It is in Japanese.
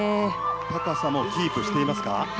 高さもキープしていますか？